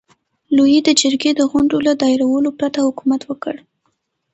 لويي د جرګې د غونډو له دایرولو پرته حکومت وکړ.